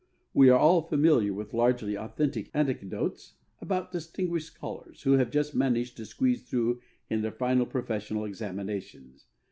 We are all familiar with largely authentic anecdotes about distinguished scholars, who have just managed to squeeze through in their final professional examinations.